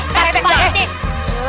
pak rete pak rete